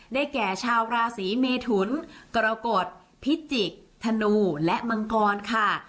ได้แก่ชาวราศรีเมถุนกระกดพิจิกธนูและมังกรค่ะ